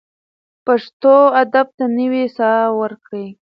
پښتو ادب ته نوې ساه ورکړئ.